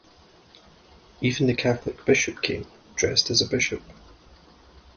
Even the Catholic bishop came, dressed as a bishop.